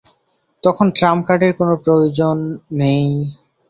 তখন ট্রাম কার্ডের কোন প্রয়োজন নেই।